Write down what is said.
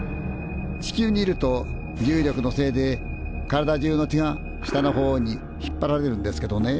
地球にいると重力のせいで体中の血が下の方に引っ張られるんですけどね